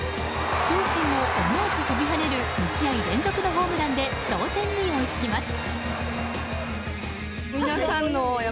両親も思わず飛び跳ねる２試合連続のホームランで同点に追いつきます。